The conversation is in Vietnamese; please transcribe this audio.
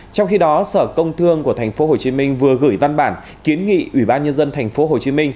trong khi đó sở công thương của tp hcm vừa gửi văn bản kiến nghị ủy ban nhân dân tp hcm